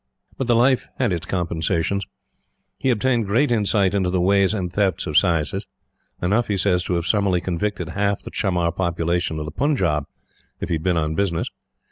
But the life had its compensations. He obtained great insight into the ways and thefts of saises enough, he says, to have summarily convicted half the chamar population of the Punjab if he had been on business.